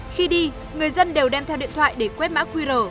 khi đi người dân đều đem theo điện thoại để quét mã qr